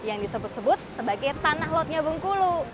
yang disebut sebut sebagai tanah lotnya bengkulu